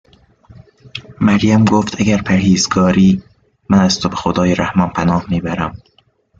مریم گفت: اگر پرهیزگاری، من از تو به خدای رحمان پناه میبرم